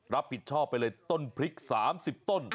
รับผิดชอบไปเลยต้นพริก๓๐ต้น